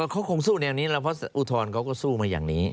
เขาคงสู้แนวนี้แล้วเพราะอุทธรณ์เขาก็สู้มาอย่างนี้